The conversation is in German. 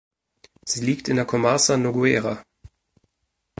Sie liegt in der Comarca Noguera.